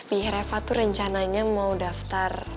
v reva tuh rencananya mau daftar